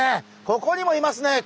ここにもいますね。